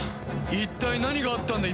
一体何があったんだ？